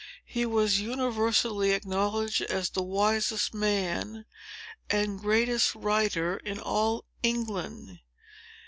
He was universally acknowledged as the wisest man and greatest writer in all England.